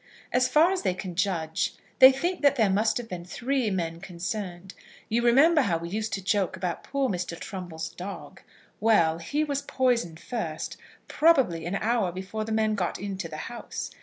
As far as they can judge, they think that there must have been three men concerned. You remember how we used to joke about poor Mr. Trumbull's dog. Well, he was poisoned first, probably an hour before the men got into the house.